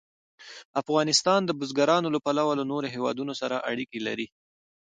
افغانستان د بزګان له پلوه له نورو هېوادونو سره اړیکې لري.